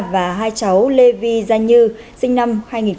và hai cháu lê vi gia như sinh năm hai nghìn một mươi ba